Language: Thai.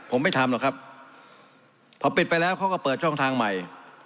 ผมไม่ทำหรอกครับพอปิดไปแล้วเขาก็เปิดช่องทางใหม่